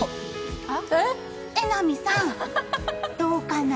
榎並さん、どうかな？